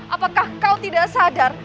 apakah kau tidak sadar